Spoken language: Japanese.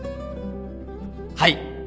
はい。